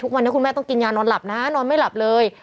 คุณแม่ต้องกินยานอนหลับนะนอนไม่หลับเลย